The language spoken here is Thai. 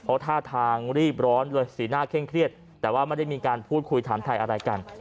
เพราะท่าทางรีบร้อนเลยสีหน้าเคร่งเครียดแต่ว่าไม่ได้มีการพูดคุยถามถ่ายอะไรกัน